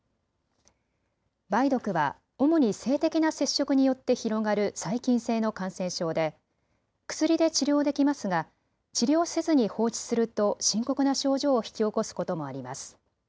梅毒は主に性的な接触によって広がる細菌性の感染症で薬で治療できますが治療せずに放置すると深刻な症状を引き起こすこともあります。